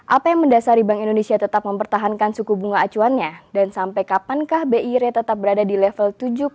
apa yang mendasari bank indonesia tetap mempertahankan suku bunga acuannya dan sampai kapankah bi rate tetap berada di level tujuh